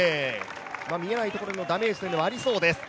見えないところへのダメージもありそうです。